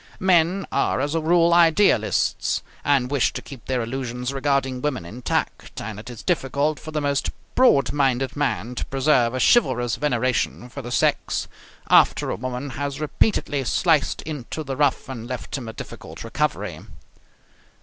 Men are as a rule idealists, and wish to keep their illusions regarding women intact, and it is difficult for the most broad minded man to preserve a chivalrous veneration for the sex after a woman has repeatedly sliced into the rough and left him a difficult recovery.